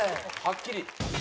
はっきり。